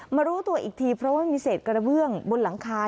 รู้ตัวอีกทีเพราะว่ามีเศษกระเบื้องบนหลังคา